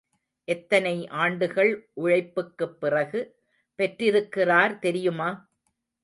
எத்தனை ஆண்டுகள் உழைப்புக்குப் பிறகு பெற்றிருக்கிறார் தெரியுமா?